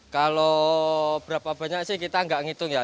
kalau berapa banyak sih kita nggak ngitung ya